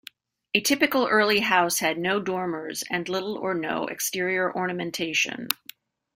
A typical early house had no dormers and little or no exterior ornamentation.